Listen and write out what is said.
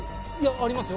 ありますよ。